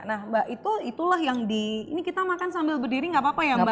nah mbak itulah yang di ini kita makan sambil berdiri nggak apa apa ya mbak